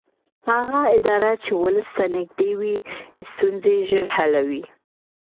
هغه اداره چې ولس ته نږدې وي ستونزې ژر حلوي